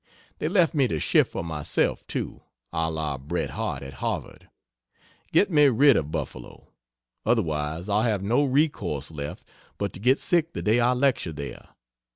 They left me to shift for myself, too, a la Bret Harte at Harvard. Get me rid of Buffalo! Otherwise I'll have no recourse left but to get sick the day I lecture there.